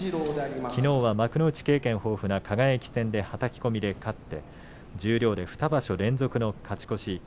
きのうは幕内経験豊富な輝戦ではたき込みで勝って十両で２場所連続の勝ち越し。